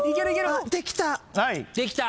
あっできた！